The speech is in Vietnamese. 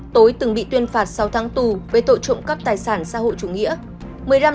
tối từng bị tuyên phạt sáu tháng tù về tội trộm cắp tài sản xã hội chủ nghĩa